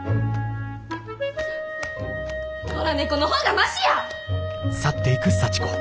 野良猫の方がマシや！